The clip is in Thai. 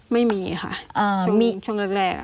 ไม่มีค่ะช่วงนั้นแรก